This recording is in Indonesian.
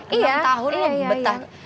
enam tahun betah